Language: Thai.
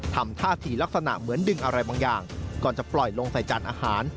ทำท่าทีลักษณะเหมือนดึงอะไรบางอย่างก่อนจะปล่อยลงใส่จานอาหาร